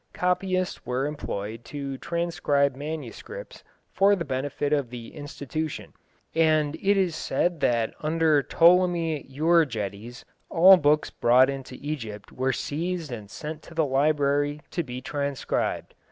Copyists were employed to transcribe manuscripts for the benefit of the institution, and it is said that under Ptolemy Euergetes all books brought into Egypt were seized and sent to the library to be transcribed.